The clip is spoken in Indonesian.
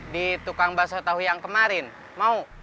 di tukang bakso tahu yang kemarin mau